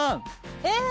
えっ？